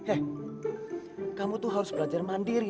eh kamu tuh harus belajar mandiri